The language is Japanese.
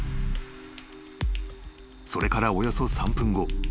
［それからおよそ３分後］